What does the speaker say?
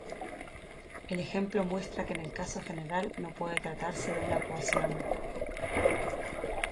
El ejemplo muestra que en el caso general no puede tratarse de una ecuación.